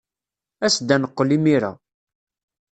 As-d ad neqqel imir-a.